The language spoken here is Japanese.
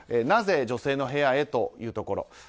なぜ女性の部屋へというところ。